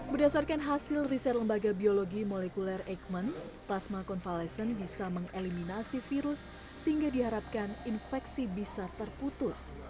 berdasarkan hasil riset lembaga biologi molekuler eichmann plasma konvalescent bisa mengeliminasi virus sehingga diharapkan infeksi bisa terputus